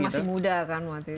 dan masih muda kan waktu itu